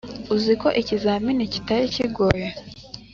uziko ikizamini kitari kigoye